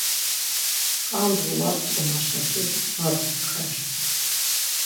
Ǩandğu var p̌ç̌ǩoma-şaki var bidzğer.